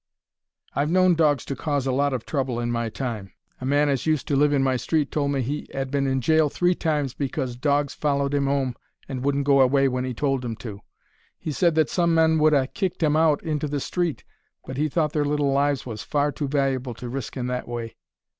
I've known dogs to cause a lot of trouble in my time. A man as used to live in my street told me he 'ad been in jail three times because dogs follered him 'ome and wouldn't go away when he told 'em to. He said that some men would ha' kicked 'em out into the street, but he thought their little lives was far too valuable to risk in that way.